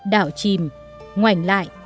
đảo chìm ngoảnh lại